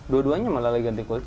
dua duanya malah lagi ganti kulit